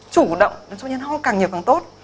chủ động cho nên ho càng nhiều càng tốt